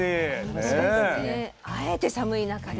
あえて寒い中で。